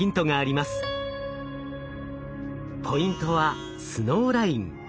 ポイントはスノーライン。